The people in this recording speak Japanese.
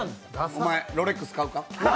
お前、ロレックス買うか？